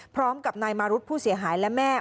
พร้อมกับนายมารุธผู้เสียหายและแม่